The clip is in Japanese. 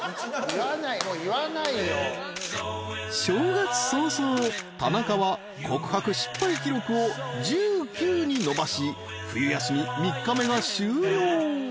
［正月早々田中は告白失敗記録を１９に伸ばし『冬休み』３日目が終了］